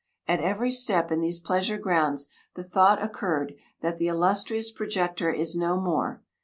"At every step in these pleasure grounds, the thought occurred that the illustrious projector is no more.